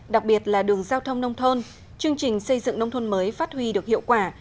đặc biệt là đường giao thông nông thôn chương trình xây dựng nông thôn mới phát huy được hiệu quả